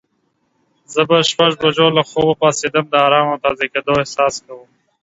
زه په شپږ بجو له خوبه پاڅیدم د آرام او تازه کیدو احساس کوم.